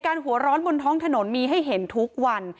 เหตุการณ์หัวร้อนบนท้องถนนมีให้เห็นทุกวัน